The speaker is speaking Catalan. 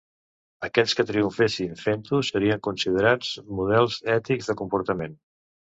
Aquells que triomfessin fent-ho, serien considerats models ètics de comportament.